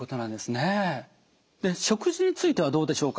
で食事についてはどうでしょうか。